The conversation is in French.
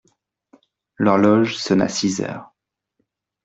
L'horloge sonna six heures.